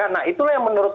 nah itulah yang menurut